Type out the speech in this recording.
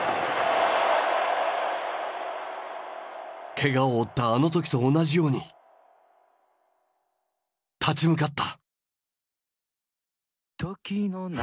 けがを負ったあの時と同じように立ち向かった。